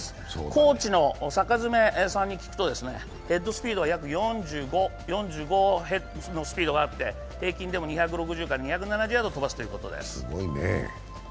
コーチに聞くとヘッドスピードは４５のスピードがあって平均でも２６０から２７０ヤード飛ばしているということです。